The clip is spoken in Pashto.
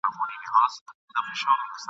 یو زلمی به د شپې ونیسي له لاسه !.